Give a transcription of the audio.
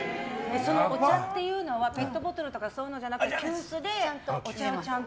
そのお茶っていうのはペットボトルとかそういうのじゃなくて急須で、お茶をちゃんと？